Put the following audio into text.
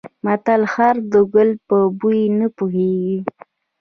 متل: خر د ګل په بوی نه پوهېږي.